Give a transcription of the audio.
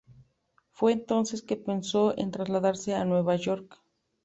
Fue entonces que pensó en trasladarse a New York.